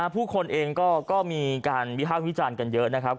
ผู้คนเองก็มีเวลาอุปกรณะใหญ่กันเยอะนะครับ